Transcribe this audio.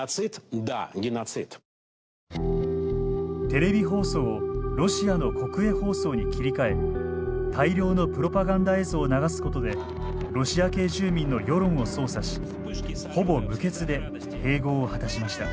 テレビ放送をロシアの国営放送に切り替え大量のプロパガンダ映像を流すことでロシア系住民の世論を操作しほぼ無血で併合を果たしました。